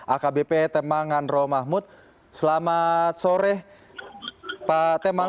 akbp temang nganro mahmud selamat sore pak temang